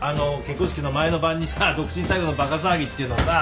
結婚式の前の晩にさ独身最後のバカ騒ぎっていうのをさ。